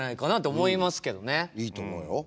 いいと思うよ。